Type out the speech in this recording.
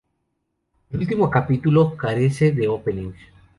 El último capítulo carece de opening.